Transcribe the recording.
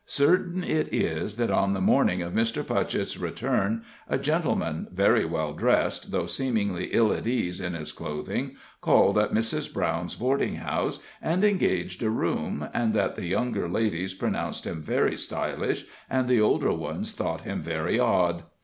Certain it is that on the morning of Mr. Putchett's return a gentleman very well dressed, though seemingly ill at ease in his clothing, called at Mrs. Brown's boarding house, and engaged a room, and that the younger ladies pronounced him very stylish and the older ones thought him very odd.